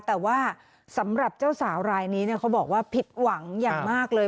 แต่ว่าสำหรับเจ้าสาวรายนี้เขาบอกว่าผิดหวังอย่างมากเลย